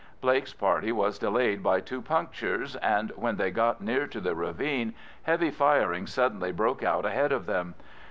Blake's party was delayed by two punctures, and when they got near to the ravine heavy firing suddenly broke out ahead of them.